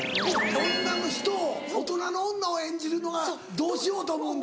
女の人大人の女を演じるのがどうしようと思うんだ。